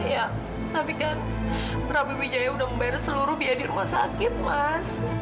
ya tapi kan prabu wijaya sudah membayar seluruh biaya di rumah sakit mas